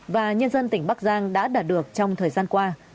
và nhân dân tỉnh bắc giang đã đạt được trong thời gian qua